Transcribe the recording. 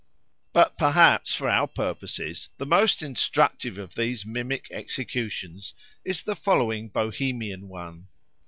But perhaps, for our purpose, the most instructive of these mimic executions is the following Bohemian one.